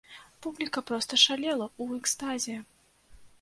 Публіка проста шалела ў экстазе!